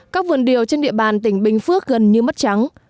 các vườn điều trên địa bàn tỉnh bình phước gần như mất trắng